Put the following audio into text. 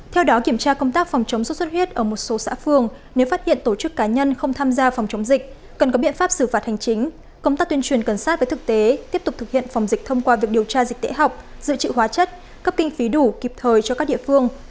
theo đó kiểm tra công tác phòng chống sốt xuất huyết ở một số xã phương nếu phát hiện tổ chức cá nhân không tham gia phòng chống dịch cần có biện pháp xử phạt hành chính công tác tuyên truyền cần sát với thực tế tiếp tục thực hiện phòng dịch thông qua việc điều tra dịch tễ học dự trữ hóa chất cấp kinh phí đủ kịp thời cho các địa phương